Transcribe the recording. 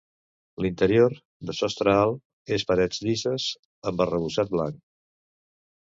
L'interior, de sostre alt, és parets llises amb arrebossat blanc.